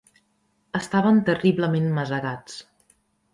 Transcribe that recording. Estaven terriblement masegats.